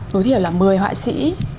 đối thiểu là một mươi họa sĩ